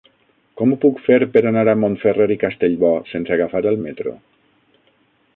Com ho puc fer per anar a Montferrer i Castellbò sense agafar el metro?